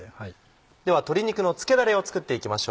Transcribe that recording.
では鶏肉の漬けだれを作っていきましょう。